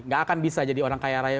gak akan bisa jadi orang kaya raya